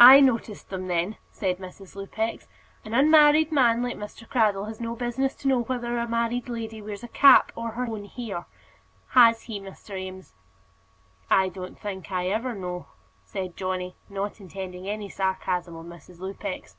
"I noticed them, then," said Mrs. Lupex. "An unmarried man like Mr. Cradell has no business to know whether a married lady wears a cap or her own hair has he, Mr. Eames?" "I don't think I ever know," said Johnny, not intending any sarcasm on Mrs. Lupex.